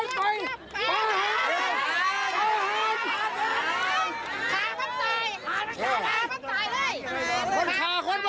ช่วยนะครับ